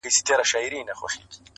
نن د پايزېب په شرنگهار راته خبري کوه